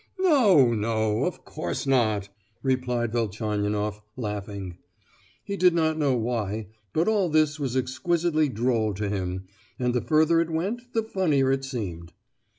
"No, no! of course not!" replied Velchaninoff, laughing. He did not know why, but all this was exquisitely droll to him; and the further it went the funnier it seemed.